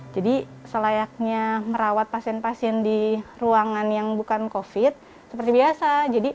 jadi selayaknya merawat pasien pasien di ruangan yang bukan covid sembilan belas seperti biasa